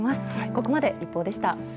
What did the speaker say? ここまでＩＰＰＯＵでした。